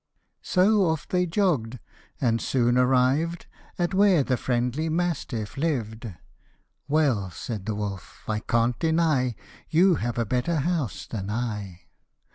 So off they jogg'd, and soon arrived At where the friendly mastiff lived, Well," said the wolf, " I can't deny You have a better house than I."